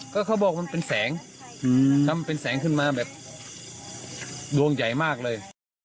ก็เขาบอกมันเป็นแสงทำเป็นแสงขึ้นมาแบบดวงใหญ่มากเลย